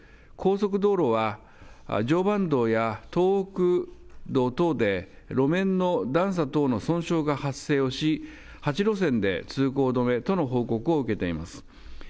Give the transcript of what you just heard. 高速道路は常磐道や東北道等で、路面の段差等の損傷が発生をし、８路線で通行止めとの報告を受けています。